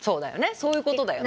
そういうことだよね。